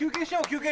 休憩！